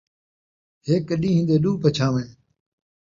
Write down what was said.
ہک ݙین٘ہہ دے ݙو پچھان٘ویں